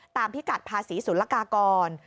ตามพิกัดภาษีศุลกากร